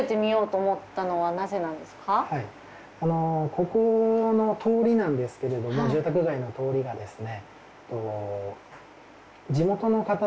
ここの通りなんですけれども住宅街の通りがですね。